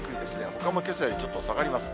ほかもけさよりちょっと下がります。